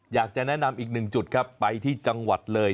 อยากจะแนะนำอีกหนึ่งจุดครับไปที่จังหวัดเลย